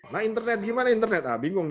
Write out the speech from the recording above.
nah internet gimana internet ah bingung